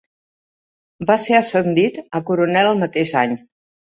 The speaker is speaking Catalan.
Va ser ascendit a coronel el mateix any.